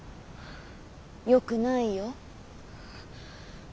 よくないよ。